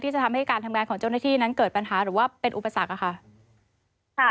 จะทำให้การทำงานของเจ้าหน้าที่นั้นเกิดปัญหาหรือว่าเป็นอุปสรรคค่ะ